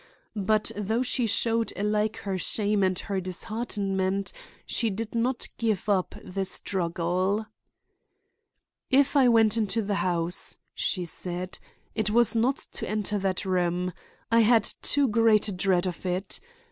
But though she showed alike her shame and her disheartenment, she did not give up the struggle. "If I went into the house," she said, "it was not to enter that room. I had too great a dread of it.